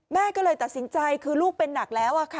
แม่ก็เลยตัดสินใจคือลูกเป็นหนักแล้วค่ะ